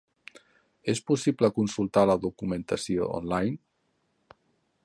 És possible consultar la documentació online?